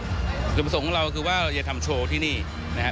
คุณผู้สมของเราคือว่าจะทำโชว์ที่นี่นะฮะ